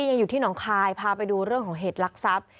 ยังอยู่ที่หนองคายพาไปดูเรื่องของเหตุลักษัพ